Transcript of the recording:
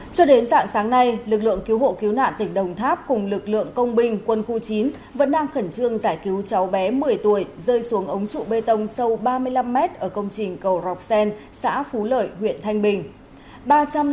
cho đến dạng sáng nay lực lượng cứu hộ cứu nạn tỉnh đồng tháp cùng lực lượng công binh quân khu chín vẫn đang khẩn trương giải cứu cháu bé một mươi tuổi rơi xuống ống trụ bê tông sâu ba mươi năm mét ở công trình cầu rọc sen xã phú lợi huyện thanh bình